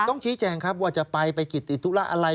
ต้องชี้แจงครับว่าจะไปไปกิจติดธุระอะไร